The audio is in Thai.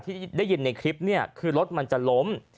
ที่ได้ยินในคลิปเนี่ยคือรถมันจะล้ม